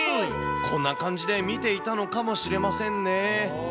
こんな感じで見ていたのかもしれませんね。